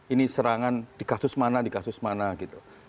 ini serangan di kasus mana di kasus mana gitu